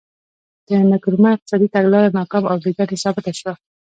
د نکرومه اقتصادي تګلاره ناکامه او بې ګټې ثابته شوه.